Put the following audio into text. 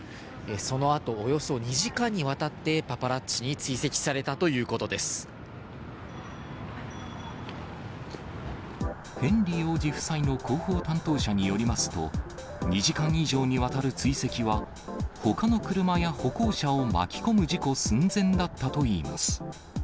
そのあとおよそ２時間にわたって、パパラッチに追跡されたというこヘンリー王子夫妻の広報担当者によりますと、２時間以上にわたる追跡は、ほかの車や歩行者を巻き込む事故寸前だったといいます。